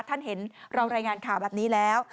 ท่านเห็นเรารายงานข่าวแบบนี้แล้ว